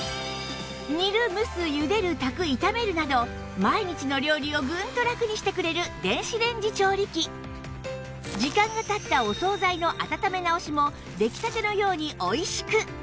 煮る蒸す茹でる炊く炒めるなど毎日の料理をグンとラクにしてくれる電子レンジ調理器時間が経ったお総菜の温め直しも出来たてのようにおいしく